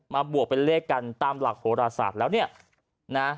บวกเป็นเลขกันตามหลักโหราศาสตร์แล้วเนี่ยนะ